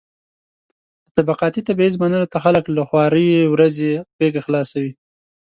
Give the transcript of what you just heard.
د طبقاتي تبعيض منلو ته خلک له خوارې ورځې غېږه خلاصوي.